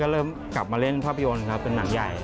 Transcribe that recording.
เริ่มกลับมาเล่นภาพยนตร์ครับเป็นหนังใหญ่